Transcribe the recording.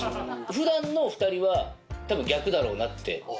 普段の２人は多分逆だろうなって。